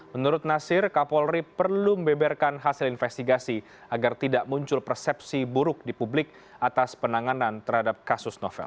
menurut nasir kapolri perlu membeberkan hasil investigasi agar tidak muncul persepsi buruk di publik atas penanganan terhadap kasus novel